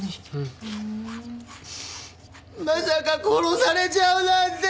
まさか殺されちゃうなんて！